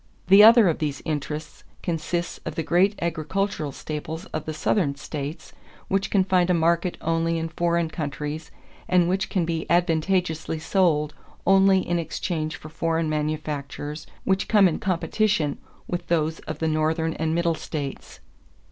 The other of these interests consists of the great agricultural staples of the Southern states which can find a market only in foreign countries and which can be advantageously sold only in exchange for foreign manufactures which come in competition with those of the Northern and Middle states....